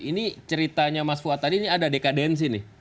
ini ceritanya mas fuad tadi ini ada dekadensi nih